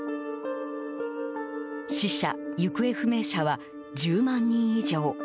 死者・行方不明者は１０万人以上。